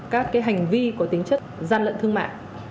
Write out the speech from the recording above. các cái hành vi có tính chất gian lận thương mại